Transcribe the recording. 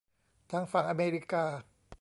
ทางฝั่งอเมริกา